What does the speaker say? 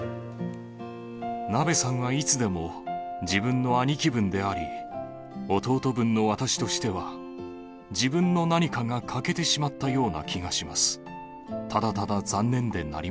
ナベさんはいつでも自分の兄貴分であり、弟分の私としては、自分の何かが欠けてしまったような気がします。